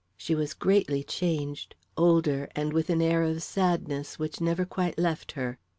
She was greatly changed older and with an air of sadness which never quite left her.